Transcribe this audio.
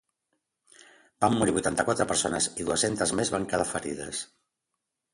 Van morir vuitanta-quatre persones i dues-centes més van quedar ferides.